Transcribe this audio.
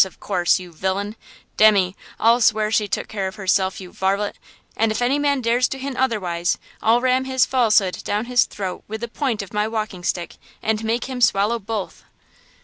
of course' you villain? Demmy! I'll swear she took care of herself, you varlet; and if any man dares to hint otherwise, I'll ram his falsehood down his throat with the point of my walking stick and make him swallow both!"